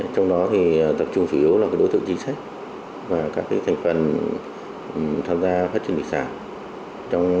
trong đó tập trung chủ yếu là đối tượng chính sách và các thành phần tham gia phát triển thủy sản